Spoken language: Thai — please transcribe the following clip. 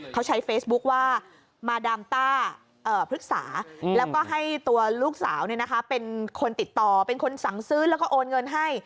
เขาใช้เฟซบุ๊คว่ามาดามต้าพฤกษาแล้วก็ให้ตัวลูกสาวเป็นคนติดต่อเป็นคนสั่งซื้อแล้วก็โอนเงินให้